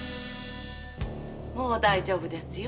もう大丈夫ですよ。